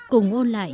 cùng ôn lại